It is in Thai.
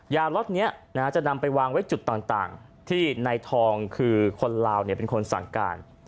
ล็อตนี้จะนำไปวางไว้จุดต่างที่ในทองคือคนลาวเป็นคนสั่งการ